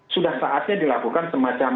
sudah saatnya dilakukan semacam